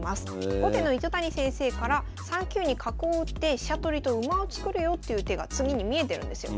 後手の糸谷先生から３九に角を打って飛車取りと馬を作るよという手が次に見えてるんですよ。